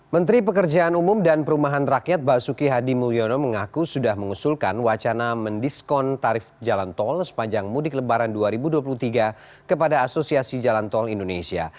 menteri pekerjaan umum dan perumahan rakyat basuki hadi mulyono mengaku sudah mengusulkan wacana mendiskon tarif jalan tol sepanjang mudik lebaran dua ribu dua puluh tiga kepada asosiasi jalan tol indonesia